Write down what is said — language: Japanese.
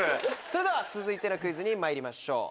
それでは続いてのクイズにまいりましょう。